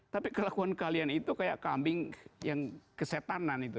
tapi kelakuan kalian itu kayak kambing yang kesetanan itu